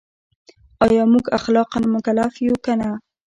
ایا موږ اخلاقاً مکلف یو که نه؟